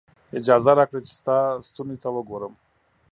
اجازه راکړئ چې ستا ستوني ته وګورم.